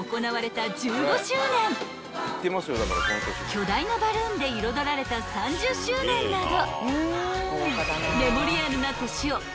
［巨大なバルーンで彩られた３０周年など］